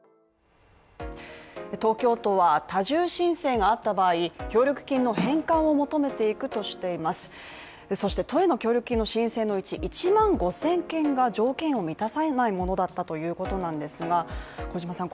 東京都は、多重申請があった場合、協力金の返還を求めていくとしていますそして都への協力金の申請のうち、１万５０００件が条件を満たさないものだったということなんですが、小島さん